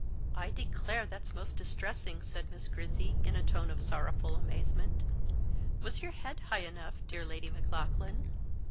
"I declare, that's most distressing," said Miss Grizzy, in a tone of sorrowful amazement. "Was your head high enough, dear Lady Maclaughlan?"